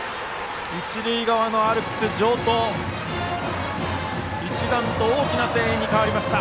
一塁側のアルプス、城東一段と大きな声援に変わった。